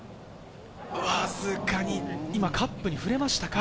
わずかに今カップに触れましたか？